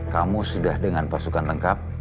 kamu sudah dengan pasukan lengkap